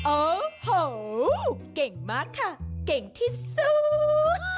โอ้โหเก่งมากค่ะเก่งที่สุด